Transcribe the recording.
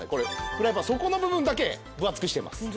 フライパン底の部分だけ分厚くしてます。